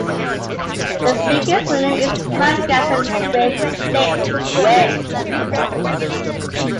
The biggest winner is Frank Gatson with six wins.